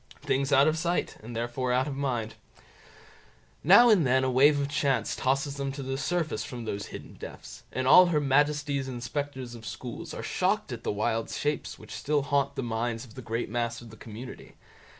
Things out of sight, and therefore out of mind. Now and then a wave of chance tosses them to the surface from those hidden depths, and all Her Majesty's inspectors of schools are shocked at the wild shapes which still haunt the minds of the great mass of the community.